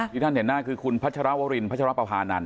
ที่ท่านเห็นหน้าคือคุณพัชรวรินพัชรปภานันท